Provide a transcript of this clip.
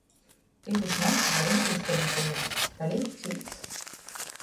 Itys mads dreiži krystalizējās – palīk cīts.